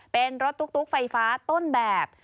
เป็นรถตุ๊กไฟฟ้าต้นแบบ